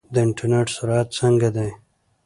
د انټرنیټ سرعت څنګه دی؟